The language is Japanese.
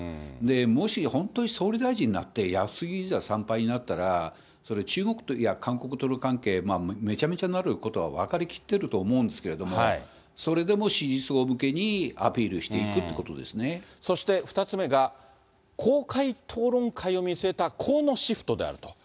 もし本当に総理大臣になって靖国神社参拝になったら、それ、中国と、韓国との関係、めちゃめちゃになることは分かりきってると思うんですけれども、それでも支持層向けにアピールしていくっていうこそして２つ目が、公開討論会を見据えた河野シフトであると。